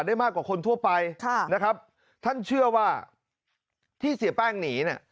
ได้มากกว่าคนทั่วไปค่ะนะครับท่านเชื่อว่าที่เสียแป้งหนีเนี่ย